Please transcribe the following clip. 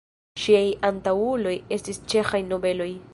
Ŝiaj antaŭuloj estis ĉeĥaj nobeloj.